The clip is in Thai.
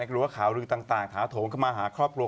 หรือว่าข่าวลือต่างถาโถมเข้ามาหาครอบครัว